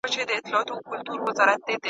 لوېديځ سياستپوهان پر نفوذ او کاروني ټينګار کوي.